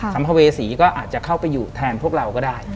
ัมภเวษีก็อาจจะเข้าไปอยู่แทนพวกเราก็ได้